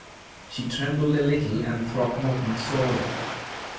She trembled a little, and Throckmorton saw it.